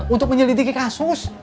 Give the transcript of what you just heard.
untuk menyelidiki kasus